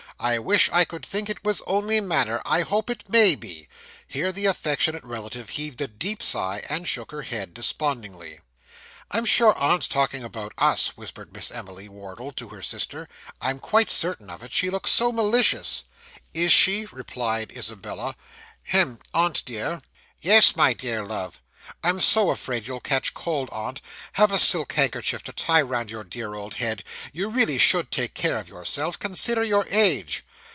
I wish I could think it was only manner I hope it may be ' (Here the affectionate relative heaved a deep sigh, and shook her head despondingly). 'I'm sure aunt's talking about us,' whispered Miss Emily Wardle to her sister 'I'm quite certain of it she looks so malicious.' 'Is she?' replied Isabella. 'Hem! aunt, dear!' 'Yes, my dear love!' 'I'm so afraid you'll catch cold, aunt have a silk handkerchief to tie round your dear old head you really should take care of yourself consider your age!